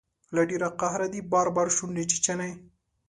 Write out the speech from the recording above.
له ډیر قهره دې بار بار شونډې چیچلي